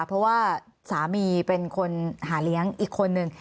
เพราะว่าสามีเป็นคนหาเลี้ยงอีกคนนึง